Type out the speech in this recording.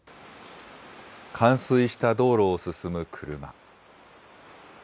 冠水した道路を進む車。